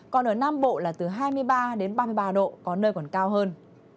còn ở nam bộ là từ hai mươi ba đến ba mươi ba độ có nơi còn cao hơn